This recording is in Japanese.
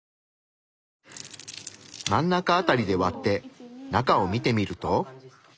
真ん中辺りで割って中を見てみると？